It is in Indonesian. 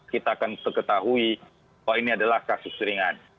kita akan ketahui bahwa ini adalah kasus ringan